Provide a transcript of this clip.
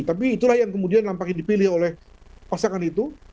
tapi itulah yang kemudian nampaknya dipilih oleh pasangan itu